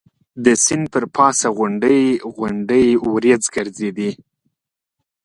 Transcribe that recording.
د سیند پر پاسه غونډۍ غونډۍ وریځ ګرځېدې.